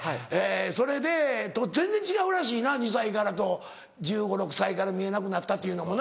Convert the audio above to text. それで全然違うらしいな２歳からと１５１６歳から見えなくなったというのもな。